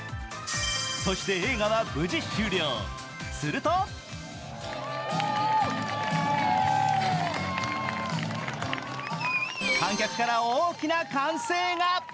そして映画は無事終了、すると観客から大きな歓声が。